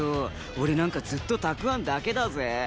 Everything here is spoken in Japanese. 俺なんかずっとたくあんだけだぜ？